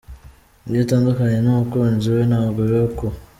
Iyo atandukanye n’umukunzi we nabwo biba uko.